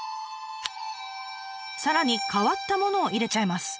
さらに変わったものを入れちゃいます。